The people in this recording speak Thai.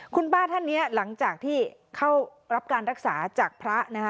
คุณป้าท่านนี้หลังจากที่เข้ารับการรักษาจากพระนะคะ